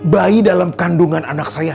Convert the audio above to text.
bayi dalam kandungan anak saya